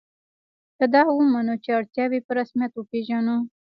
که دا ومنو چې اړتیاوې په رسمیت وپېژنو.